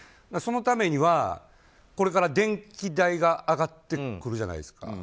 そのためにはこれから電気代が上がってくるじゃないですか。